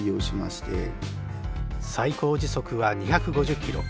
最高時速は２５０キロ。